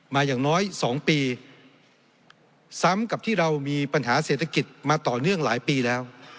อย่างน้อย๒ปีซ้ำกับที่เรามีปัญหาเศรษฐกิจมาต่อเนื่องหลายปีแล้ว